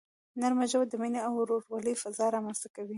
نرمه ژبه د مینې او ورورولۍ فضا رامنځته کوي.